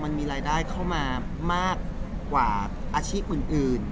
มันมีรายได้เข้ามามากกว่าอาชีพอื่น